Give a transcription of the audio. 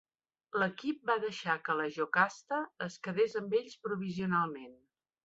L'equip va deixar que la Jocasta es quedés amb ells provisionalment.